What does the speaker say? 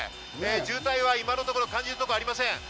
渋滞は今のところ感じるところはありません。